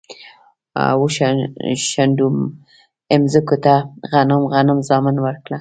و، شنډو مځکوته غنم، غنم زامن ورکړه